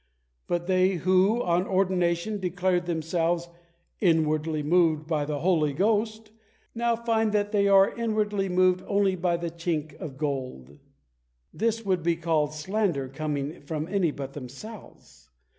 Bo they who, on ordination, declared themselves "inwardly moved by the Holy Ghost/' now find that they are inwardly moved only by the chink of gold? This would be called slander coming from any but themselves.